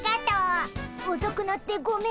おそくなってごめん。